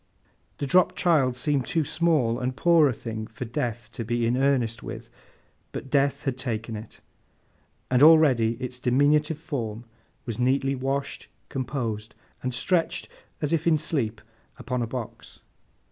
The dropped child seemed too small and poor a thing for Death to be in earnest with, but Death had taken it; and already its diminutive form was neatly washed, composed, and stretched as if in sleep upon a box.